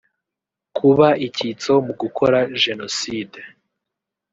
kuba icyitso mu gukora Jenoside